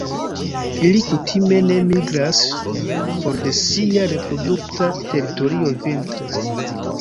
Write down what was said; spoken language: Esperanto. Ili kutime ne migras for de sia reprodukta teritorio vintre.